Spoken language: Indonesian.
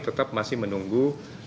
tetap masih menunggu